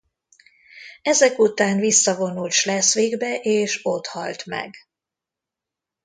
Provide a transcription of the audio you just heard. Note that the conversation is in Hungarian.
Ezek után visszavonult Schleswigbe és ott halt meg.